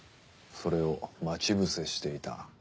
それを待ち伏せしていた。